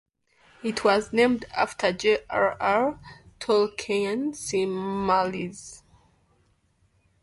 It was named after J. R. R. Tolkien's Silmarils.